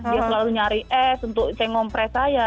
dia selalu nyari es untuk saya ngompres saya